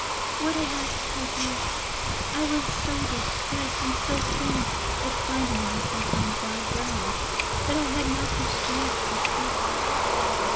"What, alas, could I do? I was so distressed and so faint at finding myself on dry ground, that I had not the strength to speak.